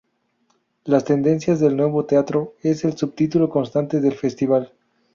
Las tendencias del nuevo teatro es el subtítulo constante del Festival.